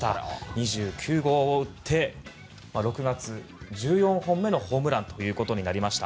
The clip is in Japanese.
２９号を打って６月、１４本目のホームランとなりました。